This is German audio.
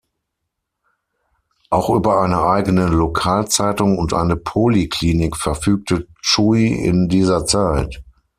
Auch über eine eigene Lokalzeitung und eine Poliklinik verfügte Chuy in dieser Zeit.